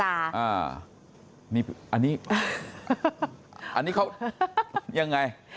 อันนี้เขายังไง